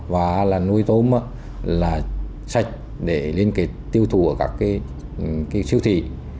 và nuôi tôm sạch để liên kết tiêu thụ ở các siêu thị